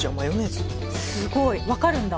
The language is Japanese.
すごい。わかるんだ？